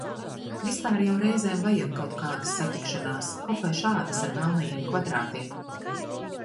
Vispār jau reizēm vajag kaut kādas satikšanās, kaut vai šādas ar melnajiem kvadrātiem.